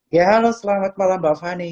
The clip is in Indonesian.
ya halo selamat malam mbak fani